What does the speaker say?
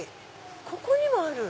ここにもある。